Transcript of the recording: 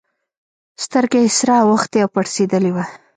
سترگه يې سره اوښتې او پړسېدلې وه.